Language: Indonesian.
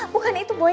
bukan itu boy